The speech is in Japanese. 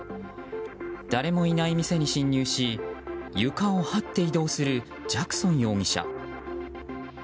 誰もいない店に侵入し床をはって移動するジャクソン容疑者。